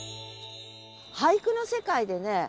俳句の世界でね